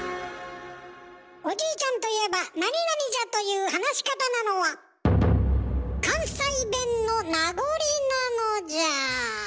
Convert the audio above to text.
おじいちゃんといえば「じゃ」という話し方なのは関西弁の名残なのじゃ。